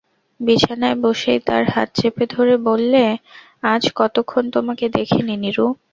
বিছানায় বসেই তার হাত চেপে ধরে বললে, আজ কতক্ষণ তোমাকে দেখি নি নীরু।